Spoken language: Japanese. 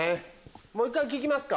もう１回聴きますか？